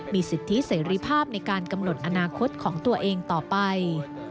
มีสิทธิเสรีภาพในการกำหนดอนาคตของตัวเองต่อไป